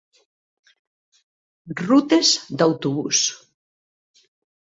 Rutes d'autobús.